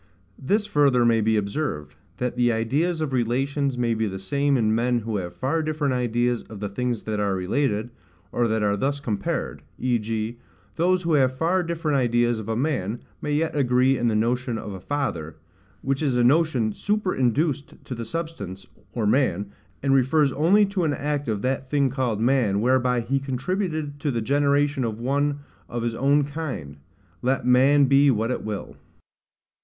This further may be observed, That the ideas of relations may be the same in men who have far different ideas of the things that are related, or that are thus compared: v. g. those who have far different ideas of a man, may yet agree in the notion of a father; which is a notion superinduced to the substance, or man, and refers only to an act of that thing called man whereby he contributed to the generation of one of his own kind, let man be what it will.